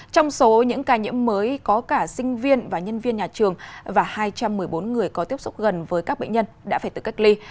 trong số những ca nhiễm mới có cả sinh viên và nhân viên nhà trường và hai trăm một mươi bốn người có tiếp xúc gần với các bệnh nhân đã phải tự cách ly